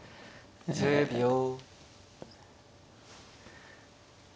１０秒。